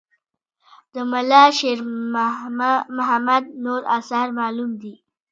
د ملا شیر محمد نور آثار معلوم دي.